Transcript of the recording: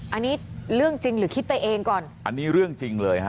อันนี้เรื่องจริงหรือคิดไปเองก่อนอันนี้เรื่องจริงเลยฮะ